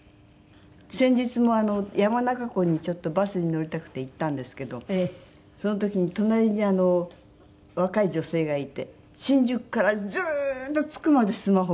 先日も山中湖にちょっとバスに乗りたくて行ったんですけどその時に隣に若い女性がいて新宿からずーっと着くまでスマホを見てるんですよね。